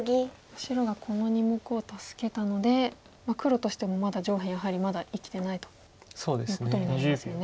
白がこの２目を助けたので黒としてもまだ上辺やはり生きてないということになりますよね。